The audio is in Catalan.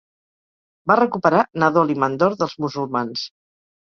Va recuperar Nadol i Mandor dels musulmans.